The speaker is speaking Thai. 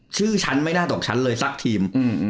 ชื่อฉันไม่น่าตกชั้นเลยสักทีม